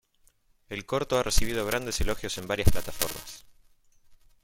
El corto ha recibido grandes elogios en varias plataformas.